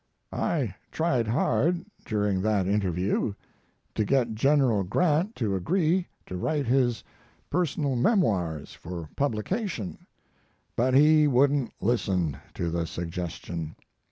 "I tried hard, during that interview, to get General Grant to agree to write his personal memoirs for publication, but he wouldn't listen to the suggestion.